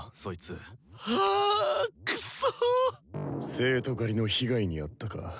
「生徒狩り」の被害に遭ったか。